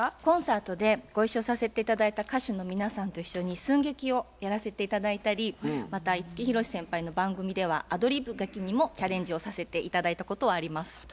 コンサートでご一緒させて頂いた歌手の皆さんと一緒に寸劇をやらせて頂いたりまた五木ひろし先輩の番組ではアドリブギャグにもチャレンジをさせて頂いたことはあります。